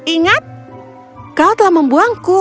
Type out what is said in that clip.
ingat kau telah membuangku